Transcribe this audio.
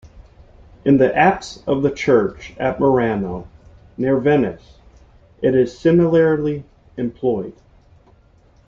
In the apse of the church at Murano, near Venice, it is similarly employed.